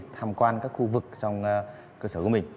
tham quan các khu vực trong cơ sở của mình